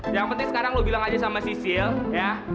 yang penting sekarang lo bilang aja sama sisiel ya